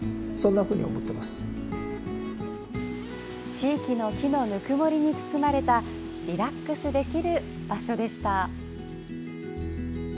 地域の木のぬくもりに包まれたリラックスできる場所でした。